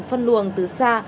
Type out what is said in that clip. phân luồng từ xa